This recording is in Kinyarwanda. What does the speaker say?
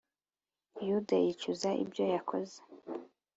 Yuda yicuza ibyo yakoze